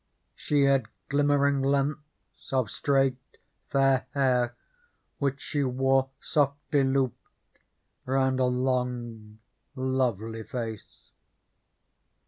She had glimmering lengths of straight, fair hair, which she wore softly looped round a long, lovely face.